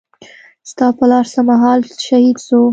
ستا پلار څه مهال شهيد سو.